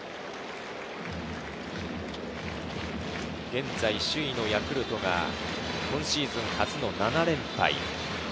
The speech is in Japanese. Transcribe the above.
現在首位のヤクルトが今シーズン初の７連敗。